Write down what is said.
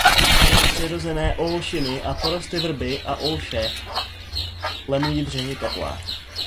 Přirozené olšiny a porosty vrby a olše lemují břehy Teplé.